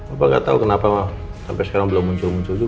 apa nggak tahu kenapa sampai sekarang belum muncul muncul juga